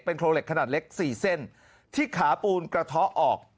โครงเหล็กขนาดเล็กสี่เส้นที่ขาปูนกระเทาะออก